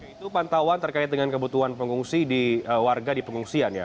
itu pantauan terkait dengan kebutuhan pengungsi di warga di pengungsian ya